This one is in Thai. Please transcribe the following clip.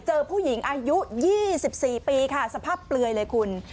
เจอผู้หญิงอายุ๒๔ปีค่ะสภาพเปลือยเลยคุณ